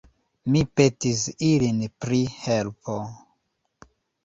Mi petis ilin pri helpo.